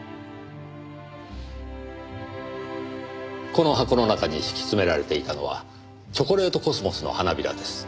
この箱の中に敷き詰められていたのはチョコレートコスモスの花びらです。